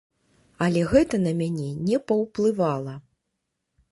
Але гэта на мяне не паўплывала.